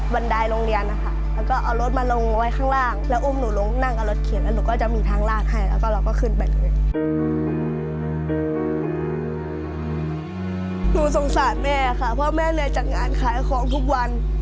เพราะแม่เนยจังงานขายของทุกวัน